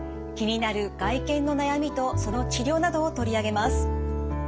気になる外見の悩みとその治療などを取り上げます。